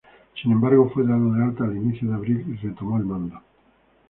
Sin embargo, fue dado de alta al inicio de abril y retomó el mando.